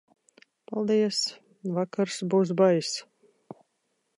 Paldies, vakars būs baiss.